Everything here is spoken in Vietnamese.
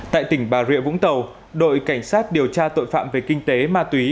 tại tỉnh bà rịa vũng tàu đội cảnh sát điều tra tội phạm về kinh tế ma túy